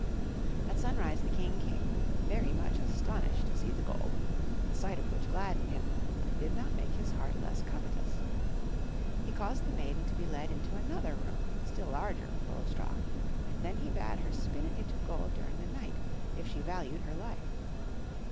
At sunrise the King came, very much astonished to see the gold; the sight of which gladdened him, but did not make his heart less covetous. He caused the maiden to be led into another room, still larger, full of straw; and then he bade her spin it into gold during the night if she valued her life.